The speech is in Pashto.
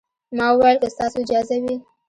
ما وويل که ستاسو اجازه وي.